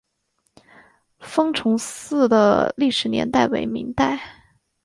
封崇寺的历史年代为明代。